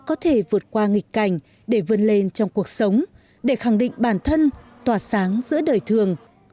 có thể vượt qua nghịch cảnh để vươn lên trong cuộc sống để khẳng định bản thân tỏa sáng giữa đời thường